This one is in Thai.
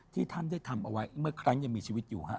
ท่านได้ทำเอาไว้เมื่อครั้งยังมีชีวิตอยู่ฮะ